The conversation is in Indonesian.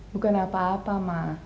bukan apa apa ma